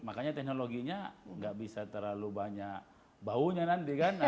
makanya teknologinya nggak bisa terlalu banyak baunya nanti kan